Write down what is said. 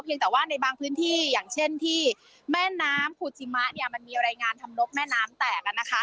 ยังแต่ว่าในบางพื้นที่อย่างเช่นที่แม่น้ำภูจิมะเนี่ยมันมีรายงานทำนกแม่น้ำแตกอ่ะนะคะ